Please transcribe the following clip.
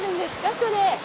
それ。